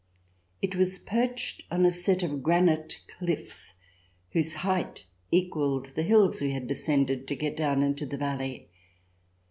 Itwas perched on a set of granite cliffs, whose height equalled the hills we had descended to get down into the valley.